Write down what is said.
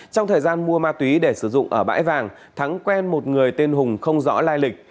trong thời gian mua ma túy để sử dụng ở bãi vàng thắng quen một người tên hùng không rõ lai lịch